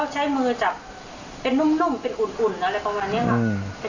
ใช้มือจับเป็นนุ่มเป็นอุ่นอะไรประมาณนี้ค่ะ